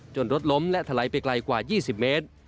รถล้มและถลายไปไกลกว่า๒๐เมตร